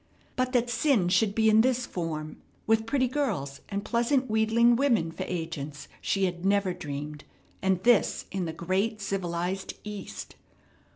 But that sin should be in this form, with pretty girls and pleasant, wheedling women for agents, she had never dreamed; and this in the great, civilized East!